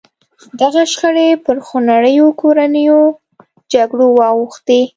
دغه شخړې پر خونړیو کورنیو جګړو واوښتې.